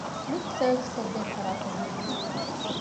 ލިފްޓް ސާރވިސްކޮށްދޭނެ ފަރާތެއް ހޯދުމަށް